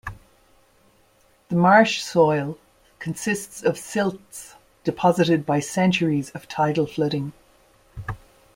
The marsh soil consists of silts deposited by centuries of tidal flooding.